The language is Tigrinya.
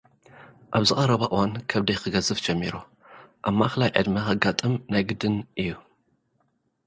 ኣብ ቀረባ እዋን ከብደይ ክገዝፍ ጀሚሩ። ኣብ ማእከላይ ዕድመ ኸጋጥም... ናይ ግድን እዩ።